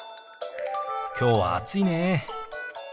きょうは暑いね。